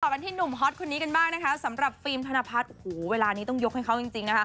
กันที่หนุ่มฮอตคนนี้กันบ้างนะคะสำหรับฟิล์มธนพัฒน์โอ้โหเวลานี้ต้องยกให้เขาจริงนะคะ